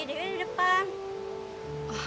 dewi di depan